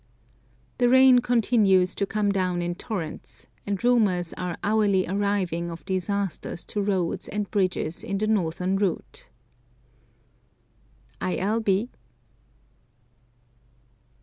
The rain continues to come down in torrents, and rumours are hourly arriving of disasters to roads and bridges on the northern route. I.